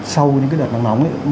sau những cái đợt nắng nóng